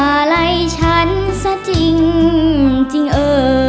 อะไรฉันซะจริงจริงเอ่อ